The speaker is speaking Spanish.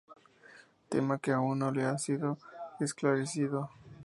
Tema que aún no le ha sido esclarecido.